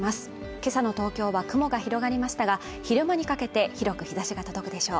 今朝の東京は雲が広がりましたが昼間にかけて広く日ざしが届くでしょう